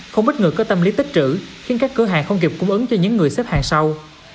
không ít người có tâm lý tích trữ khiến các cửa hàng không kịp cung ứng cho những người xếp hàng sau